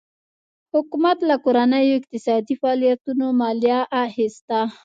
حکومت له کورنیو اقتصادي فعالیتونو مالیه اخیسته.